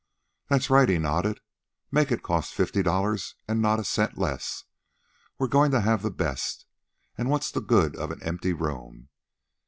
"That's right," he nodded. "Make it cost fifty dollars and not a cent less. We're goin' to have the best. And what's the good of an empty room?